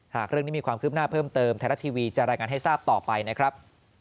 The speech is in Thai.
หากเรื่องนี้มีความคืบหน้าเพิ่มเติมไทยรัฐทีวีจะรายงานให้ทราบต่อไปนะครับ